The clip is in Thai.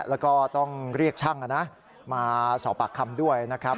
แล้วก็ต้องเรียกช่างมาสอบปากคำด้วยนะครับ